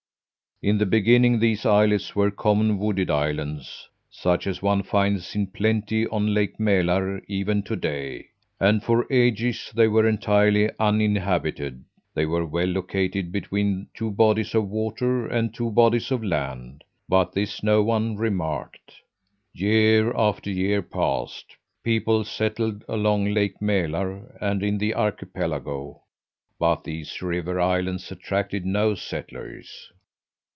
"In the beginning these islets were common wooded islands, such as one finds in plenty on Lake Mälar even to day, and for ages they were entirely uninhabited. They were well located between two bodies of water and two bodies of land; but this no one remarked. Year after year passed; people settled along Lake Mälar and in the archipelago, but these river islands attracted no settlers.